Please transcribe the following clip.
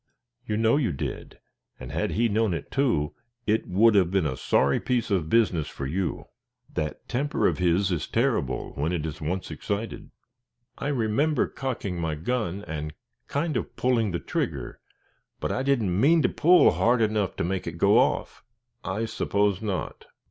"You know you did, and had he known it, too, it would have been a sorry piece of business for you. That temper of his is terrible, when it is once excited." "I remember cocking my gun, and kind of pulling the trigger, but I didn't mean to pull hard enough to make it go off." "I suppose not.